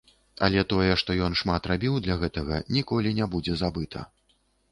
Але тое, што ён шмат рабіў для гэтага, ніколі не будзе забыта.